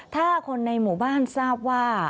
ถ้าคนในหมู่บ้านทราบว่า